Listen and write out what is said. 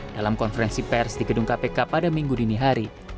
dalam konferensi pers di gedung kpk pada minggu dini hari